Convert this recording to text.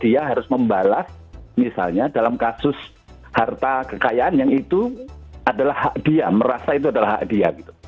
dia harus membalas misalnya dalam kasus harta kekayaan yang itu adalah hak dia merasa itu adalah hak dia